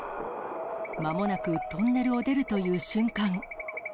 まもなくトンネルを出るという瞬間。